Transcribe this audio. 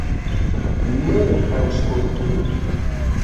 Ne aŭskultu!